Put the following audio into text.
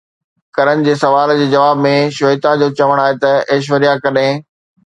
ڪرن جي سوال جي جواب ۾ شويتا جو چوڻ آهي ته ايشوريا ڪڏهن